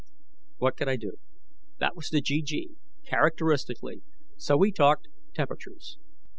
What could I do? That was the GG, characteristically, so we talked temperatures.